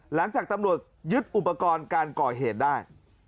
หลังจากตำรวจยึดอุปกรณ์การก่อเหตุได้